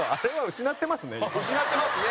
失ってますね。